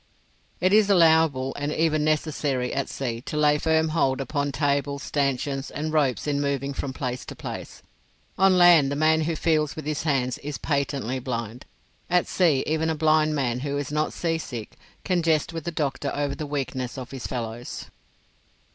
It is allowable and even necessary at sea to lay firm hold upon tables, stanchions, and ropes in moving from place to place. On land the man who feels with his hands is patently blind. At sea even a blind man who is not sea sick can jest with the doctor over the weakness of his fellows.